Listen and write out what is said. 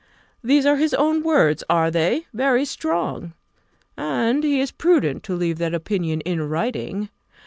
These are his own words, are they? Very strong; and he is prudent to leave that opinion in writing.